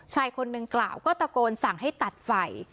ชายคนหนึ่งกล่าวก็ตะโกนสั่งให้ตัดไฟ